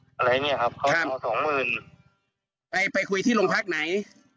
เข้าห้องคุยอะไรเนี้ยครับครับสองหมื่นไปไปคุยที่โรงพักษณ์ไหน